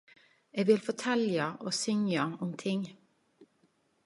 Eg vil fortelja og syngja om ting